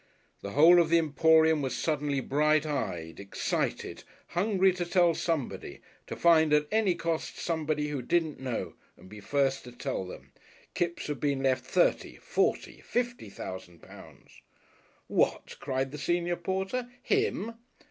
The whole of the Emporium was suddenly bright eyed, excited, hungry to tell somebody, to find at any cost somebody who didn't know and be first to tell them, "Kipps has been left thirty forty fifty thousand pounds!" "What!" cried the senior porter, "Him!"